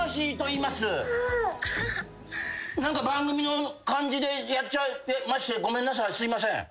何か番組の感じでやっちゃいましてごめんなさいすいません。